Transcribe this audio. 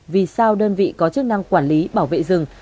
vì sao đơn vị có chức năng quản lý bảo vệ rừng